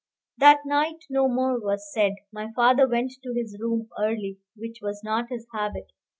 That night no more was said. My father went to his room early, which was not his habit.